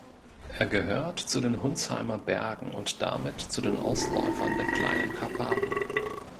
Er gehört zu den Hundsheimer Bergen und damit zu den Ausläufern der Kleinen Karpaten.